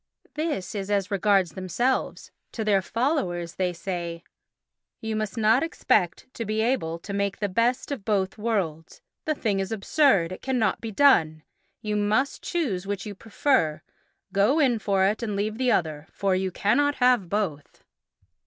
This is as regards themselves; to their followers they say: "You must not expect to be able to make the best of both worlds. The thing is absurd; it cannot be done. You must choose which you prefer, go in for it and leave the other, for you cannot have both."